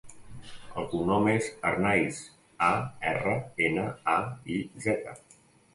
El cognom és Arnaiz: a, erra, ena, a, i, zeta.